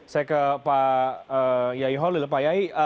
saya ke pak yaiholil pak yai